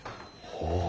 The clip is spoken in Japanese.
ほう。